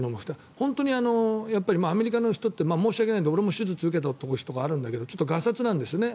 本当にアメリカの人って申し訳ないけど俺も手術を受けたことがあるんだけどがさつなんですよね